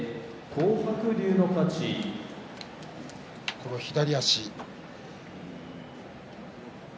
この左足。